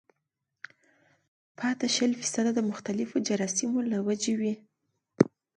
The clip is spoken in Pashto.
پاتې شل فيصده د مختلفو جراثيمو له وجې وي